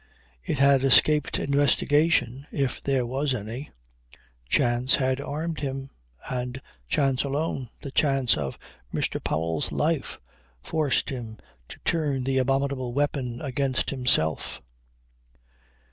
It had escaped investigation if there was any. Chance had armed him. And chance alone, the chance of Mr. Powell's life, forced him to turn the abominable weapon against himself.